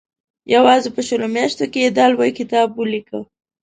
یوازې په شلو میاشتو کې یې دا لوی کتاب ولیکه.